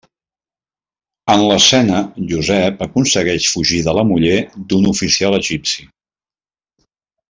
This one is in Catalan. En l'escena, Josep aconsegueix fugir de la muller d'un oficial egipci.